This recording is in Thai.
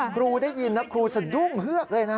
ครูได้ยินแล้วครูสะดุ้งเฮือกเลยนะครับ